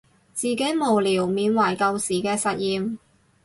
自己無聊緬懷舊時嘅實驗